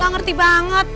gak ngerti banget